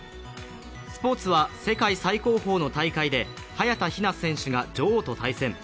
スポ−ツは世界最高峰の大会で早田ひな選手が女王と対戦。